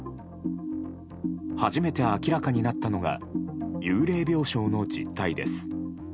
初めて明らかになったのが幽霊病床の実態です。